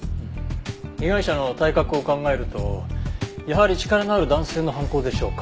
被害者の体格を考えるとやはり力のある男性の犯行でしょうか？